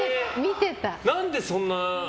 何でそんな。